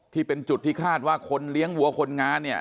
ที่เป็นจุดที่คาดว่าคนเลี้ยงวัวคนงานเนี่ย